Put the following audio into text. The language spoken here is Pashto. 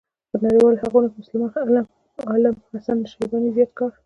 په نړيوالو حقوقو کې مسلمان عالم حسن الشيباني زيات کار